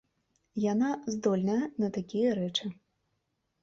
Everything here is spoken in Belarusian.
Яна здольная на такія рэчы.